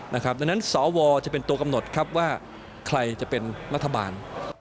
ดังนั้นสวจะเป็นตัวกำหนดครับว่าใครจะเป็นรัฐบาล